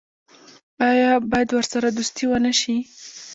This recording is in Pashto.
آیا باید ورسره دوستي ونشي؟